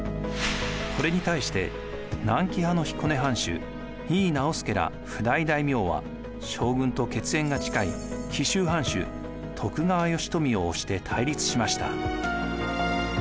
これに対して南紀派の彦根藩主井伊直弼ら譜代大名は将軍と血縁が近い紀州藩主・徳川慶福を推して対立しました。